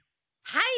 はい。